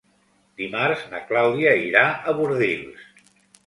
Dimarts na Clàudia irà a Bordils.